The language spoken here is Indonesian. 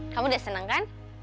kamu udah senang kan